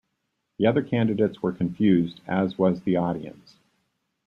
The other candidates were confused, as was the audience.